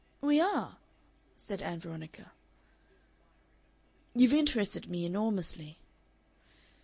"We are," said Ann Veronica. "You've interested me enormously...."